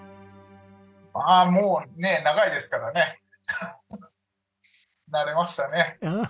ああもうね長いですからね慣れましたね。